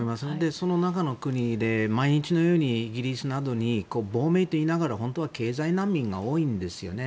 その中の国で毎日のようにイギリスなどに亡命といいながら本当は経済難民が多いんですね。